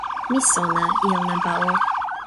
mi sona, ilo nanpa o.